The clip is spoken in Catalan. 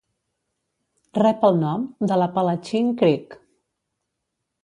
Rep el nom de l'Apalachin Creek.